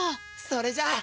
それじゃ。